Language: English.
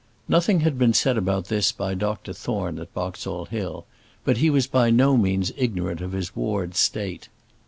Nothing had been said about this by Dr Thorne at Boxall Hill; but he was by no means ignorant of his ward's state.